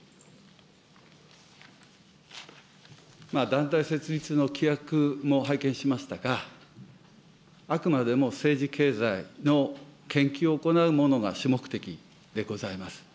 団体設立の規約も拝見しましたが、あくまでも政治経済の研究を行うものが主目的でございます。